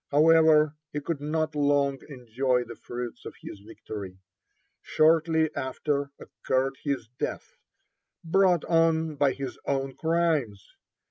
However, he could not long enjoy the fruits of his victory. Shortly after occurred his death, brought on by his own crimes.